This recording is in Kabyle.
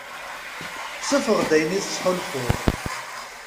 Ssuffeɣ-d ayen i tettḥulfuḍ.